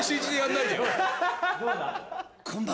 どうだ？